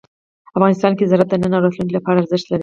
افغانستان کې زراعت د نن او راتلونکي لپاره ارزښت لري.